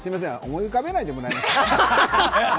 思い浮かべないでもらえますか。